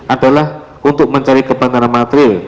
adalah untuk mencari kebenaran materiil